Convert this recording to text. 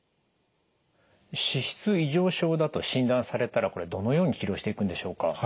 脂質異常症だと診断されたらこれどのように治療していくんでしょうか？